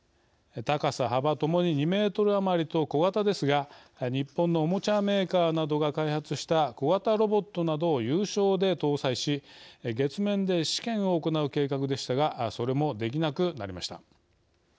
高さ、幅ともに２メートル余りと小型ですが日本のおもちゃメーカーなどが開発した、小型ロボットなどを有償で搭載し月面で試験を行う計画でしたがそれもできなくなりました。